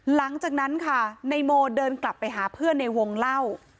หลังจากนั้นค่ะนายโมเดินกลับไปหาเพื่อนในวงเล่า